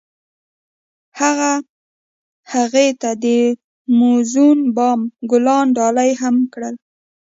هغه هغې ته د موزون بام ګلان ډالۍ هم کړل.